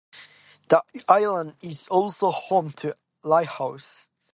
The island is also home to a lighthouse.